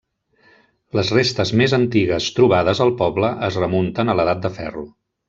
Les restes més antigues trobades al poble es remunten a l'edat de ferro.